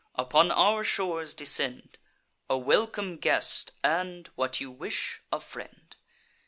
Upon our shores descend. A welcome guest, and, what you wish, a friend."